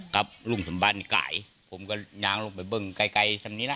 ครับลุงสมบันกายผมก็ยางลงไปเบิ้งไกลทำนี้นะ